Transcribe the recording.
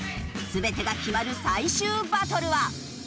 全てが決まる最終バトルは。